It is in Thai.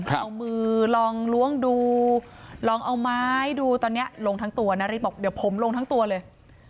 เอามือลองล้วงดูลองเอาไม้ดูตอนนี้ลงทั้งตัวนาริสบอกเดี๋ยวผมลงทั้งตัวเลย